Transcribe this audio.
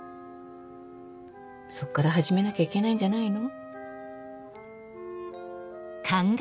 そこから始めなきゃいけないんじゃないの？